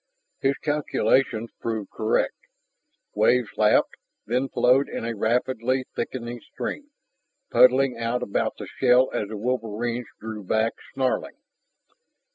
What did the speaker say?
His calculations proved correct. Waves lapped, then flowed in a rapidly thickening stream, puddling out about the shell as the wolverines drew back, snarling.